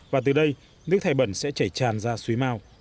và từ đây nước thải bẩn sẽ chảy tràn ra suối mau